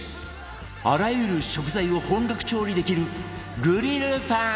あらゆる食材を本格調理できるグリルパン！